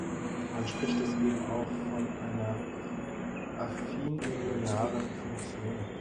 Man spricht deswegen auch von einer "affin-linearen Funktion.